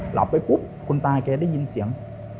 หลับไปปุ๊บคุณตาแกได้ยินเสียง